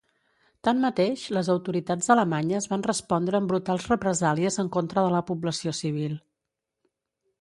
Tanmateix, les autoritats alemanyes van respondre amb brutals represàlies en contra de la població civil.